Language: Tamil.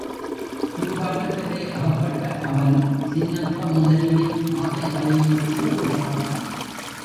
சூதாட்டத்திலே அகப்பட்ட அவன், சின்னப்ப முதலியின் ஆசை வலையில் சிக்குகிறான்.